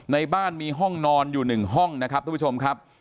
ในบ้านมีห้องนอนอยู่๑ห้องนะครับทุกผู้ชมครับ